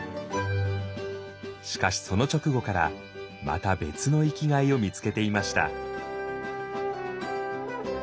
しかしその直後からまた別の生きがいを見つけていました。